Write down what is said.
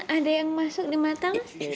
ada yang masuk di mata mas